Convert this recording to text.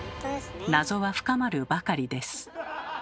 謎は深まるばかりです。